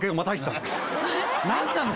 何なの？